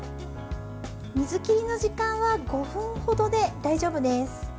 水切りの時間は５分ほどで大丈夫です。